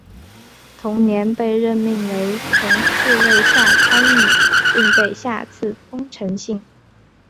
同年被任命为从四位下参议并被下赐丰臣姓。